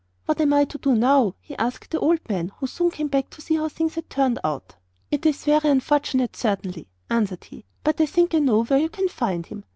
'What am I to do now?' he asked the old man, who soon came back to see how things had turned out. 'It is very unfortunate, certainly,' answered he; 'but I think I know where you can find him.